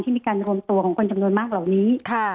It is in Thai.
มีการรวมตัวของคนจำนวนมากเหล่านี้